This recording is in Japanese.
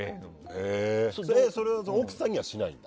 それは奥さんにはしないの？